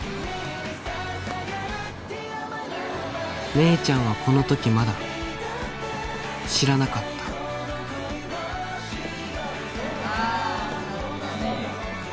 姉ちゃんはこの時まだ知らなかった・ああ・